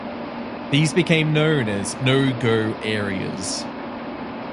These became known as "no-go areas".